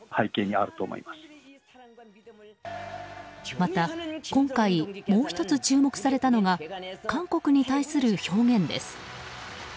また今回もう１つ注目されたのが韓国に対する表現です。